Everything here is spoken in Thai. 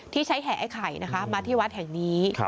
ที่ใช้แห่ไอ้ไข่นะคะมาที่วัดแห่งนี้